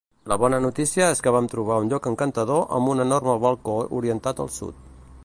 La bona notícia és que vam trobar un lloc encantador amb un enorme balcó orientat al sud.